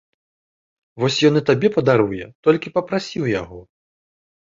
Вось ён і табе падаруе, толькі папрасі ў яго.